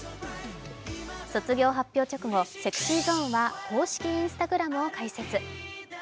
卒業発表直後、ＳｅｘｙＺｏｎｅは公式Ｉｎｓｔａｇｒａｍを開設。